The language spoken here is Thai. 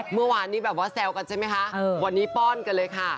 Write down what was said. เมื่อวานนี้แบบว่าแซวกันใช่ไหมคะวันนี้ป้อนกันเลยค่ะ